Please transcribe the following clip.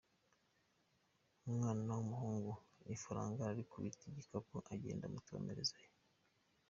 Umwana w’umuhungu ifaranga arikubita igikapu, agenda muti wa mperezayo !